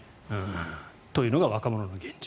というのが若者の現状。